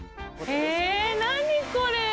え何これ！